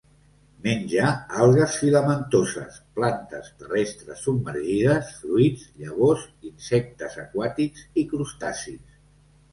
Menja algues filamentoses, plantes terrestres submergides, fruits, llavors, insectes aquàtics i crustacis.